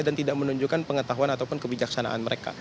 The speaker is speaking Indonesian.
dan tidak menunjukkan pengetahuan ataupun kebijaksanaan mereka